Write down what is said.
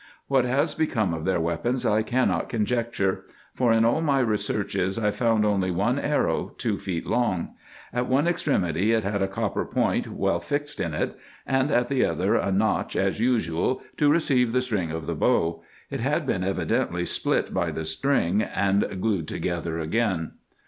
What has become of their weapons I cannot conjecture ; for in all my researches I found only one arrow, two feet long. At one extremity it had a copper point well fixed in it, and at the other a notch as usual to receive the string of the bow: it had been evidently split by the string, and glued together again.